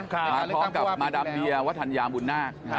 ค่ะมาท้องกับมดเรียวัฒนยามุณนาค